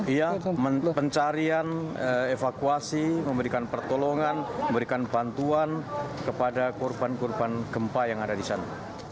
iya pencarian evakuasi memberikan pertolongan memberikan bantuan kepada korban korban gempa yang ada di sana